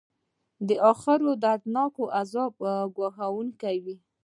د اخروي دردناکه عذاب ګواښونه کوي.